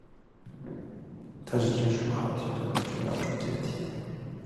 它是金属锆提纯的重要中间体。